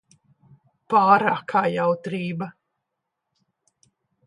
Pārākā jautrība.